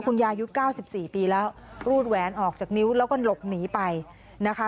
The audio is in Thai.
คุณยายยุด๙๔ปีแล้วรูดแหวนออกจากนิ้วแล้วก็หลบหนีไปนะคะ